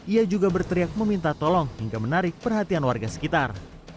ia juga berteriak meminta tolong hingga menarik perhatian warga sekitar